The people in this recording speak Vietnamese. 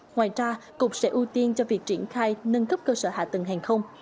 ngoài ra cục sẽ ưu tiên cho việc triển khai nâng cấp cơ sở hạ tầng hàng không